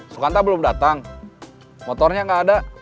sukanta belum datang motornya nggak ada